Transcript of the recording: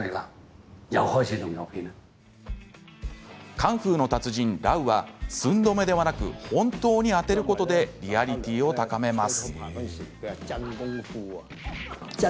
カンフーの達人ラウは寸止めではなく本当に当てることでリアリティーを高めます。